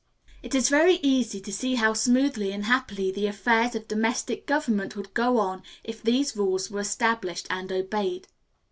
It is very easy to see how smoothly and happily the affairs of domestic government would go on if these rules were established and obeyed.